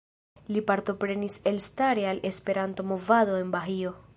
Li partoprenis elstare al la Esperanto-movado en Bahio.